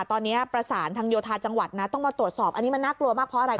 ตอนนี้ประสานทางโยธาจังหวัดนะต้องมาตรวจสอบอันนี้มันน่ากลัวมากเพราะอะไร